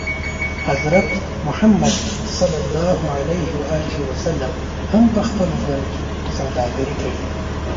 حضرت محمد ص هم په خپل ژوند کې سوداګري کړې ده.